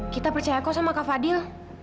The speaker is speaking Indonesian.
kita percaya kok sama kak fadil